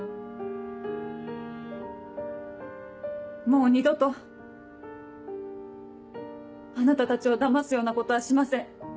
もう二度とあなたたちをだますようなことはしません。